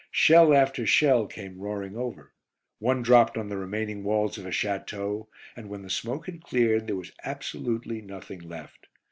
Shell after shell came roaring over; one dropped on the remaining walls of a château, and when the smoke had cleared there was absolutely nothing left.